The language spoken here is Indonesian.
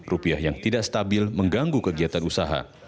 rupiah yang tidak stabil mengganggu kegiatan usaha